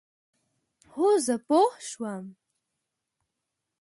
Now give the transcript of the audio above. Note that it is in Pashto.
هو، زه پوه شوم،